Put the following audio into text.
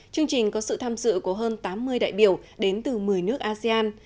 chương trình có sự tham dự của hơn tám mươi đại biểu đến từ một mươi nước asean